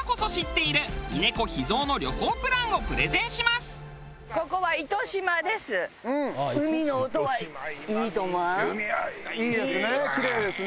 いいですね。